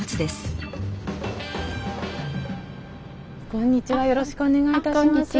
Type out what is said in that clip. こんにちはよろしくお願いいたします。